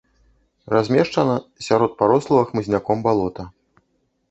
Размешчана сярод парослага хмызняком балота.